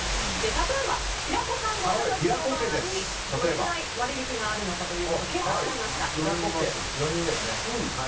例えば、平子さんご家族の場合どれくらい割引きがあるのか計算してみました。